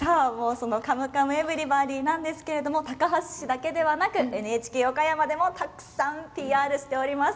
その「カムカムエヴリバディ」ですが高梁市だけでなくＮＨＫ岡山でもたくさんＰＲしております。